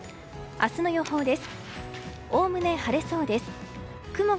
明日の予報です。